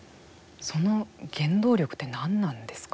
その原動力ってなんなんですか。